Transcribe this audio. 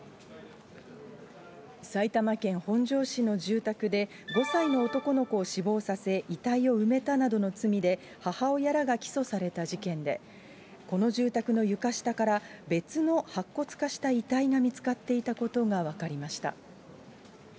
埼玉県本庄市の住宅で、５歳の男の子を死亡させ、遺体を埋めたなどの罪で母親らが起訴された事件で、この住宅の床下から、別の白骨化した遺体が見つかっていたことが分かりました。